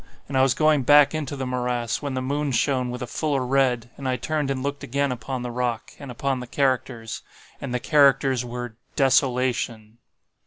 And I was going back into the morass, when the moon shone with a fuller red, and I turned and looked again upon the rock, and upon the characters, and the characters were DESOLATION.